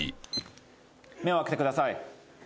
目を開けてください。